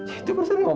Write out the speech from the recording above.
itu berarti ngomong